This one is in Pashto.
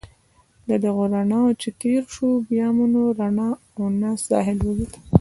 له دغو رڼاوو چې تېر شوو، بیا مو نه رڼا او نه ساحل ولید.